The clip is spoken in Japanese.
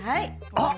あっ！